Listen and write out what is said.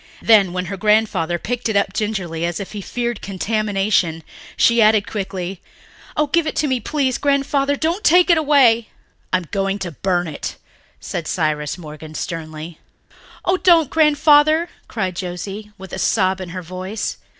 Then, when her grandfather picked it up gingerly, as if he feared contamination, she added quickly, "Oh, give it to me, please, Grandfather. Don't take it away." "I am going to burn it," said Cyrus Morgan sternly. "Oh, don't, Grandfather," cried Joscelyn, with a sob in her voice.